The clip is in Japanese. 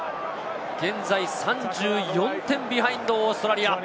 現在３４点ビハインド、オーストラリア。